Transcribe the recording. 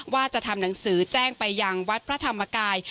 ว่าจะทำหนังสือแจ้งไปยังวัดพระธรรมกาย